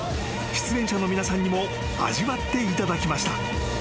［出演者の皆さんにも味わっていただきました］